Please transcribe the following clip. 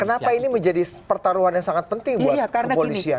kenapa ini menjadi pertaruhan yang sangat penting buat kepolisian